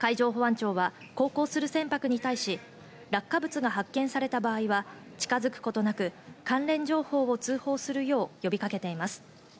海上保安庁は航行する船舶に対し、落下物が発見された場合は、近づくことなく、関連情報を通報するよう呼びかけています。